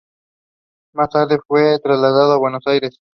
Más tarde fue trasladado a Buenos Aires.